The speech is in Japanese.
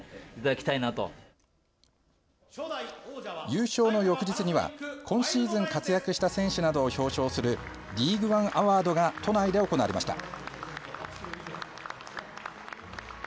優勝の翌日には今シーズン活躍した選手などを表彰するリーグワンアワードが都内で行われました。